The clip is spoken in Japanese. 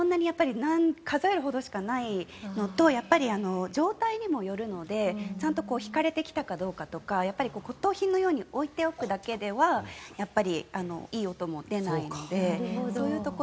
数えるほどしかないのとやっぱり、状態にもよるのでちゃんと弾かれてきたかどうかとか骨とう品のように置いておくだけではいい音も出ないのでそういうところ。